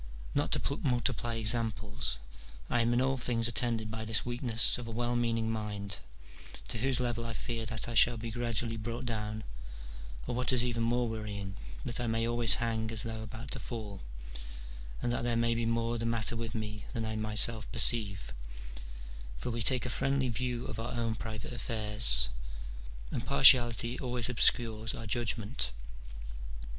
Not to multiply examples, I am in all things attended by this weakness of a well meaning mind, to whose level I fear that I shall be gradually brought down, or, what is even more worrying, that I may always hang as though about to fall, and that there may be more the matter with me than I myself perceive : for we take a friendly view of our own private affairs, and partiality always obscures our judgment.